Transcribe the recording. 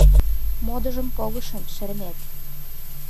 Модыжым погышым, шеремет.